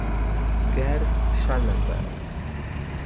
Gerd Schellenberg